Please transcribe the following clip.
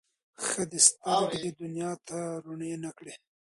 ښه دی سترګي دي دنیا ته روڼي نه کړې